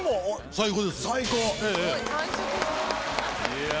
最高！